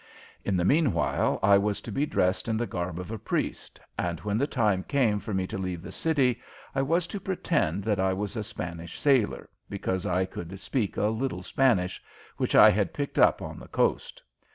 In the mean while I was to be dressed in the garb of a priest, and when the time came for me to leave the city I was to pretend that I was a Spanish sailor, because I could speak a little Spanish, which I had picked up on the coast.